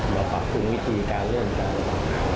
เราปรับภูมิวิธีการเริ่มกันตลอด